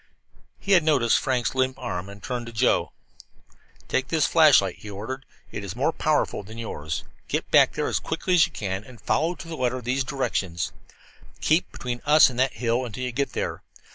He had noticed Frank's limp arm, and he turned to Joe. "Take this flashlight," he ordered. "It is more powerful than yours. Get back there as quickly as you can, and follow to the letter these directions: Keep between us and that hill until you get to it.